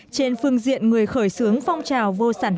trên phương diện người khởi xướng phong trào vô sản hóa